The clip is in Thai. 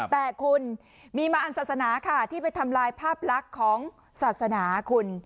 แต่คุณมีมาอันศาสนาค่ะที่ไปทำลายภาพลักษณ์ของศาสนาคุณ